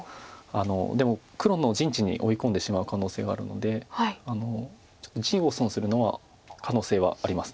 でも黒の陣地に追い込んでしまう可能性があるのでちょっと地を損する可能性はあります